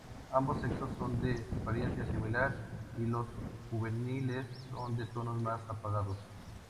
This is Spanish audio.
Ambos sexos son de apariencia similar, y los juveniles son de tonos más apagados.